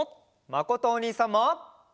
まことおにいさんも。